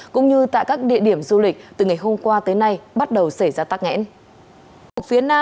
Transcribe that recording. cũng như tại các địa điểm du lịch từ ngày hôm qua tới nay bắt đầu xảy ra tắc nghẽn